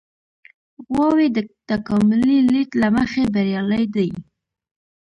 غواوې د تکاملي لید له مخې بریالۍ دي.